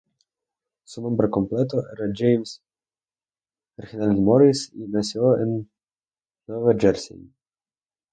Su nombre completo era James Reginald Morris, y nació en Nueva Jersey.